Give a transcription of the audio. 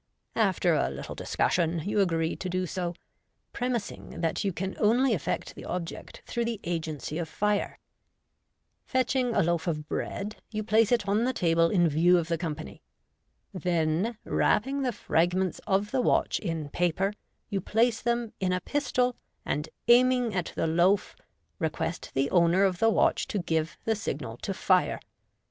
After a little discussion, you agree to do so, premising that you can only effect the object through ihe agency of fire. Fetching '< loaf of bread, you place it on the table in view of the company. Then wrapping the fragments of the watch in paper, you place them iq a pistol, and, aiming at the loaf, request the owner of the watch to give the signal to fire.